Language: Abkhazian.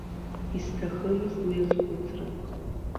Исҭахымызт уи азхәыцра.